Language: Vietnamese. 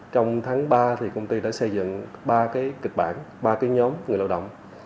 trong tháng ba thì công ty đã xây dựng ba cái kịch bản ba cái nhóm người lộ động